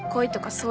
そう！